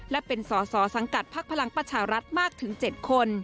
และเป็นสอสอสังกัดพักพลังประชารัฐมากถึง๗คน